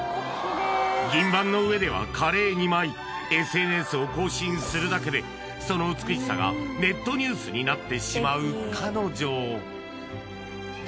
相当ですよＳＮＳを更新するだけでその美しさがネットニュースになってしまう彼女